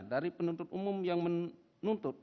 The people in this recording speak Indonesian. dari penuntut umum yang menuntut